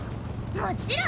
もちろん！